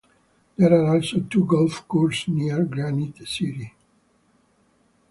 There are also two golf courses near Granite City.